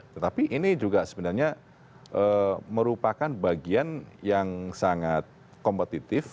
tetapi ini juga sebenarnya merupakan bagian yang sangat kompetitif